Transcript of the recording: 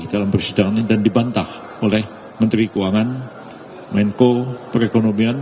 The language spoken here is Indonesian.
dalam persidangan ini dan dibantah oleh menteri keuangan menko perekonomian